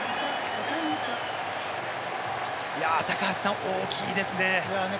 高橋さん、大きいですね。